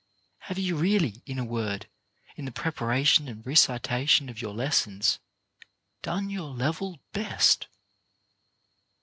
Have you really, in a word, in the preparation and recitation of your lessons, done your level best